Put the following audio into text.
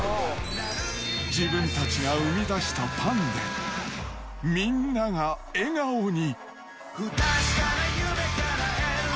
自分たちが生み出したパンで、みんなが笑顔に。